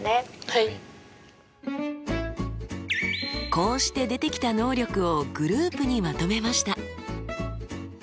こうして出てきた能力をグループにまとめました。